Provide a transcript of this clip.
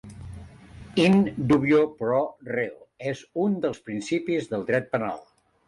In dubio pro reo és un dels principis del Dret Penal.